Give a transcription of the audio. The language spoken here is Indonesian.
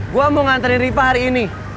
gue mau nganterin riva hari ini